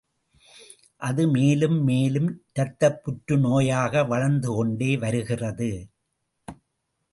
அது மேலும் மேலும் இரத்தப்புற்று நோயாக வளர்ந்து கொண்டு வருகிறது.